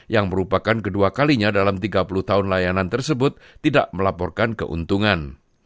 yang merupakan kedua kalinya dalam tiga puluh tahun layanan tersebut tidak melaporkan keuntungan